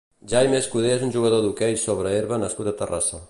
Jaime Escudé és un jugador d'hoquei sobre herba nascut a Terrassa.